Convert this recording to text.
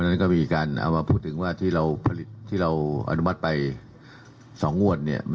อันนี้พูดในฐานะนายก